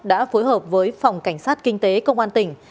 đã phối hợp với phòng cảnh sát kinh tế công an tỉnh